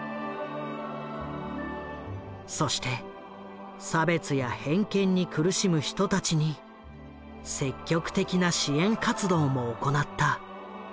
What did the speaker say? そして差別や偏見に苦しむ人たちに積極的な支援活動も行った。